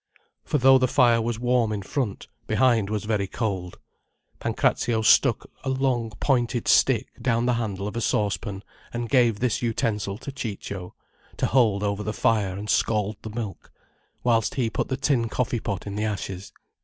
For though the fire was warm in front, behind was very cold. Pancrazio stuck a long pointed stick down the handle of a saucepan, and gave this utensil to Ciccio, to hold over the fire and scald the milk, whilst he put the tin coffee pot in the ashes.